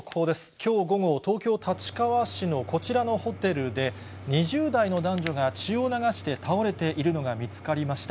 きょう午後、東京・立川市のこちらのホテルで、２０代の男女が血を流して倒れているのが見つかりました。